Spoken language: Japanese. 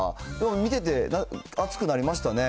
見てて、熱くなりましたね。